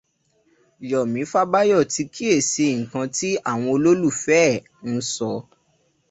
Yọ̀mí Fábáyọ̀ ti kíyèsí nǹkan tí àwọn olólùfẹ́ ẹ̀ ń sọ